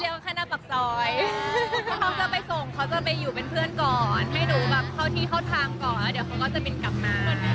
ถ้าเค้าจะไปส่งเค้าจะไปอยู่เป็นเพื่อนก่อนให้หนูเข้าที่เข้าทางก่อนก็จะบินกลับมา